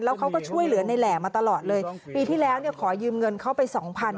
แล้วเขาก็ช่วยเหลือในแหล่มาตลอดเลยปีที่แล้วเนี่ยขอยืมเงินเขาไปสองพัน